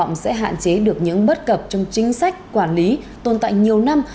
kỳ vọng sẽ hạn chế được những bất cập trong chính sách quản lý tồn tại nhiều năm